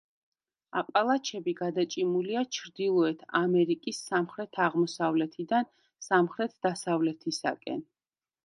აპალაჩები გადაჭიმულია ჩრდილოეთ ამერიკის სამხრეთ-აღმოსავლეთიდან სამხრეთ-დასავლეთისაკენ.